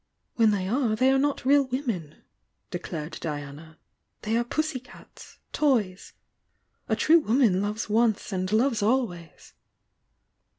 "When they are they are not real women," de clared Diana. "They are pussy cats, — toys! A true woman loves once and loves always!"